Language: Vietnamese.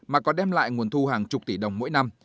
mà có đem lại nguồn thu hàng chục tỷ đồng mỗi năm